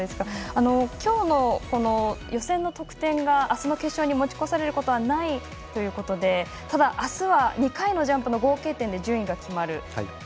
きょうの予選の得点があすの決勝に持ち越されることはないということでただ、あすは２回のジャンプの合計点で順位が決まる。